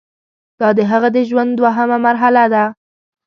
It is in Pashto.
دا د هغه د ژوند دوهمه مرحله ده.